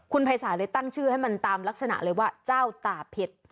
คุณภัยศาลเลยตั้งชื่อให้มันตามลักษณะเลยว่าเจ้าตาเพชร